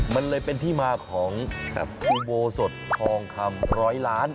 มันเลยเป็นที่มาของคุโบสดทองคำ๑๐๐ล้านครับ